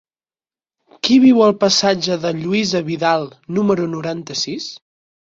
Qui viu al passatge de Lluïsa Vidal número noranta-sis?